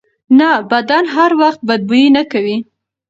نه، بدن هر وخت بد بوی نه کوي.